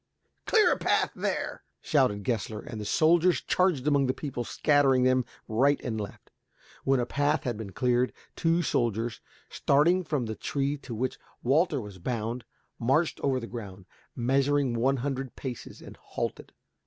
"Clear a path there," shouted Gessler, and the soldiers charged among the people, scattering them right and left. When a path had been cleared, two soldiers, starting from the tree to which Walter was bound, marched over the ground, measuring one hundred paces, and halted.